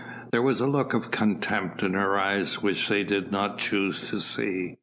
There was a look of contempt in her eyes which they did not choose to see.